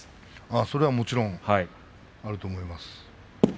それはもちろんあると思います。